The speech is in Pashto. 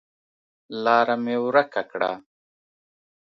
لاره مې ورکه کړه